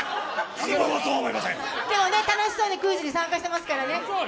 でも楽しそうにクイズに参加してますからね。